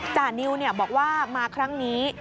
จานิวบอกว่ามาครั้งนี้